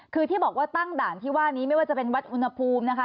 คือที่บอกว่าตั้งด่านที่ว่านี้ไม่ว่าจะเป็นวัดอุณหภูมินะคะ